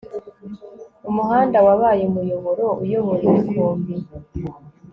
Umuhanda wabaye umuyoboro uyobora imikumbi